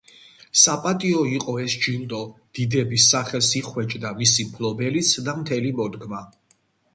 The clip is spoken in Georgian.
საპატიო იყო ეს ჯილდო, დიდების სახელს იხვეჭდა მისი მფლობელიც და მთელი მოდგმა.